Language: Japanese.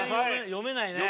読めないね。